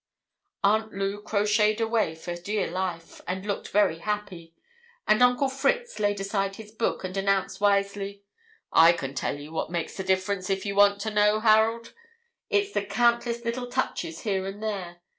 Aunt Lou crocheted away for dear life, and looked very happy, and Uncle Fritz laid aside his book, and announced wisely, "I can tell you what makes the difference if you want to know, Harold; it's the countless little touches here and there.